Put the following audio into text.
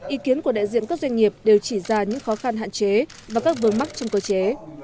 ý kiến của đại diện các doanh nghiệp đều chỉ ra những khó khăn hạn chế và các vướng mắc trong cơ chế